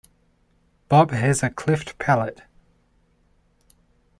Bob has a cleft palate.